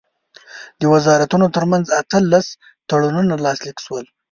د وزارتونو ترمنځ اتلس تړونونه لاسلیک شول.